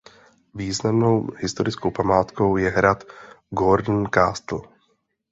Významnou historickou památkou je hrad Gordon Castle.